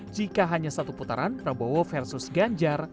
jika hanya satu putaran prabowo versus ganjar